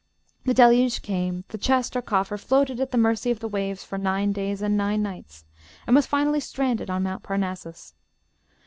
The Deluge came; the chest, or coffer, floated at the mercy of the waves for nine days and nine nights, and was finally stranded on Mount Parnassus.